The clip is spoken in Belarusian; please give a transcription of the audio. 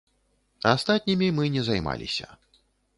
Астатнімі мы не займаліся.